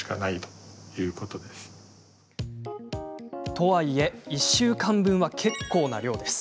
とはいえ１週間分は結構な量です。